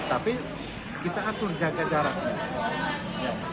tapi kita atur jaga jarak